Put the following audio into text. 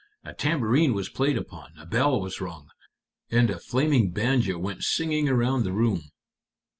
A tambourine was played upon, a bell was rung, and a flaming banjo went singing around the room."